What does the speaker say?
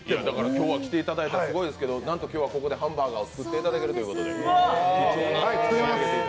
今日は来ていただいてすごいですけど、なんと今日はここでハンバーガーを作っていただけるという。